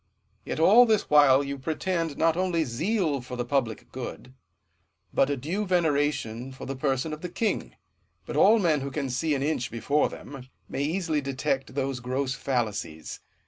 Yet all this while you pretend not only zeal for the public good, but a due veneration for the person of the king. But all men who can see an inch before them, may easily detect those gross fallacies.